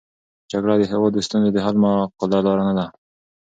جګړه د هېواد د ستونزو د حل معقوله لاره نه ده.